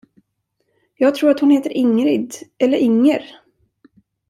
Jag tror hon heter Ingrid... eller Inger?